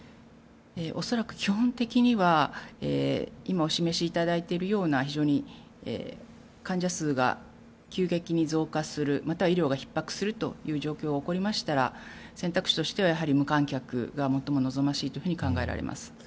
恐らく、基本的には今お示しいただいているような患者数が急激に増加するまたは医療がひっ迫するという状況が起こりましたら選択肢としては、やはり無観客が最も望ましいと考えられます。